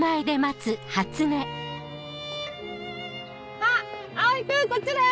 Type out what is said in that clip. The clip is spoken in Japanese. あっ蒼君こっちだよ！